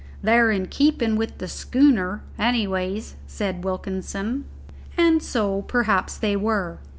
"They're in keepin' with the schooner, any ways," said Wilkinson. And so perhaps they were.